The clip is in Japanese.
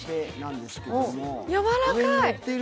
やわらかい。